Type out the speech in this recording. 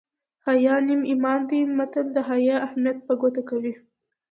حیا نیم ایمان دی متل د حیا اهمیت په ګوته کوي